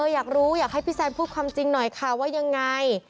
อยากรู้อยากให้พี่แซนพูดความจริงหน่อยค่ะว่ายังไง